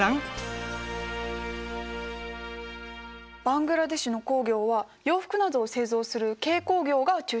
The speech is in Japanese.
バングラデシュの工業は洋服などを製造する軽工業が中心ですね。